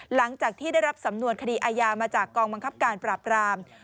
หลังจากที่ได้รับสำนวนคดีอาญามาจากกองบังคับการปราบราม